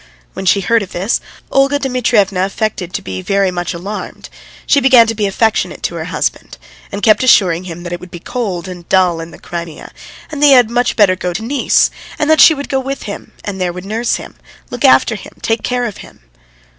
When she heard of this, Olga Dmitrievna affected to be very much alarmed; she began to be affectionate to her husband, and kept assuring him that it would be cold and dull in the Crimea, and that he had much better go to Nice, and that she would go with him, and there would nurse him, look after him, take care of him.